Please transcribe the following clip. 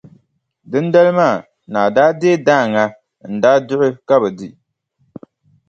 Dindali maa, naa daa deei daaŋa n-daa duɣi ka bɛ di.